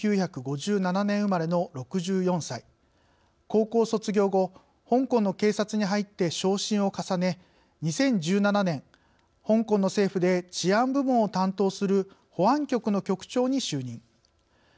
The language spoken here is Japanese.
高校卒業後香港の警察に入って昇進を重ね２０１７年香港の政府で治安部門を担当する保安局の局長に就任。